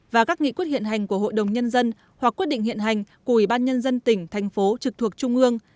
và các nghị quyết hiện hành của hội đồng nhân dân hoặc quyết định hiện hành của ủy ban nhân dân tỉnh thành phố trực thuộc trung ương